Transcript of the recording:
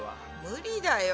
無理だよ。